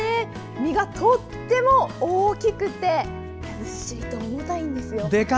実がとっても大きくてずっしりと重たいんですよ。